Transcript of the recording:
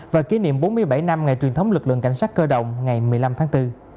và kỷ niệm bốn mươi bảy năm ngày truyền thống lực lượng cảnh sát cơ động ngày một mươi năm tháng bốn